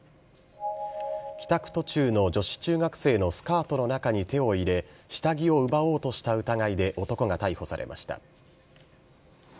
帰宅途中の女子中学生のスカートの中に手を入れ、下着を奪おうとした疑いで男が逮捕されました。